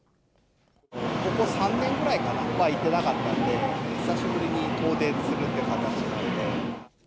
ここ３年ぐらいかな、行ってなかったんで、久しぶりに遠出するって形なんで。